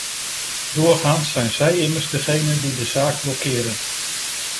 Doorgaans zijn zij immers degenen die de zaak blokkeren.